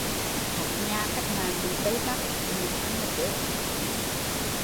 Các nhà Cách mạng bị Tây bắt, dịn ăn mà chết